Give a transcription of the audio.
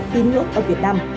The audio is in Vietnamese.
tín ngưỡng ở việt nam